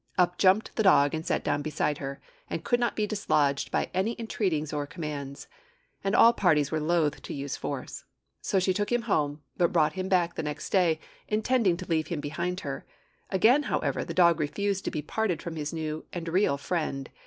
Up jumped the dog, and sat down beside her, and could not be dislodged by any entreaties or commands and all parties were loath to use force. She took him home, but brought him back the next day, intending to leave him behind her. Again, however, the dog refused to be parted from his new and real friend.